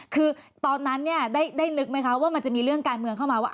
คือตอนนั้นเนี่ยได้นึกไหมคะว่ามันจะมีเรื่องการเมืองเข้ามาว่า